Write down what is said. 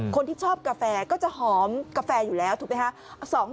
คนที่ชอบกาแฟก็จะหอมกาแฟอยู่แล้วถูกไหมคะ